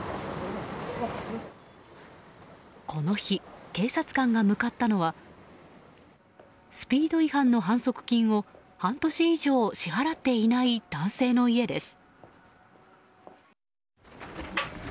この日警察官が向かったのはスピード違反の反則金を半年以上支払っていない男性の家です。